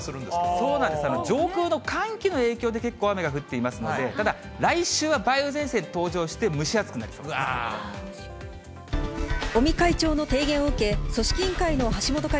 そうなんです、上空の寒気の影響で結構雨が降っていますので、ただ、来週は梅雨前線登場して蒸まずはこちらのニュースです。